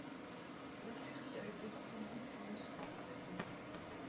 La série a été reconduite pour une seconde saison.